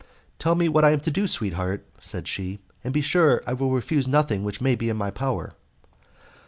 "Tell me what I am to do, sweetheart," said she, "and be sure I will refuse nothing which may be in my power."